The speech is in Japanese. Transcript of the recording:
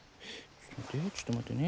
ちょっと待てよ。